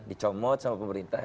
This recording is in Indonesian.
dicomot sama pemerintah